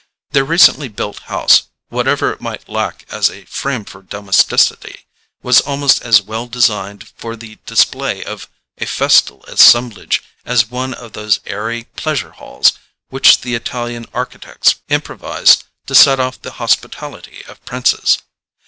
Their recently built house, whatever it might lack as a frame for domesticity, was almost as well designed for the display of a festal assemblage as one of those airy pleasure halls which the Italian architects improvised to set off the hospitality of princes.